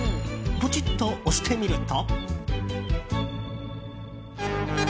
ぽちっと押してみると。